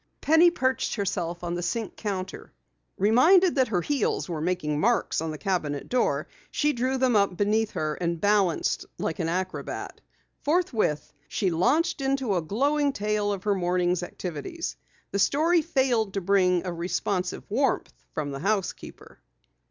Penny perched herself on the sink counter. Reminded that her heels were making marks on the cabinet door, she drew them up beneath her and balanced like an acrobat. Forthwith she launched into a glowing tale of her morning's activities. The story failed to bring a responsive warmth from the housekeeper.